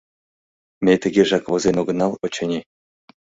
— Ме тыгежак возен огынал, очыни.